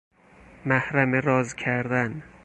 محرم راز کردن